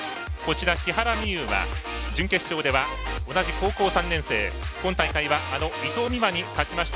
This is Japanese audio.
木原美悠は準決勝では同じ高校３年生今大会は伊藤美誠に勝ちました